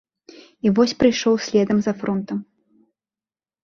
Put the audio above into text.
І вось прыйшоў следам за фронтам.